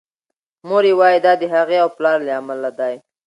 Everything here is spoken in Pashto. مور یې وايي دا د هغې او پلار له امله دی.